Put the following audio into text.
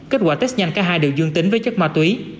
kết quả test nhanh cả hai đều dương tính với chất ma túy